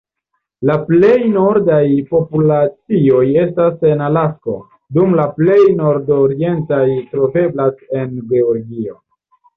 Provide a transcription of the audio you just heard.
La plej nordaj populacioj estas en Alasko, dum la plej sud-orientaj troveblas en Georgio.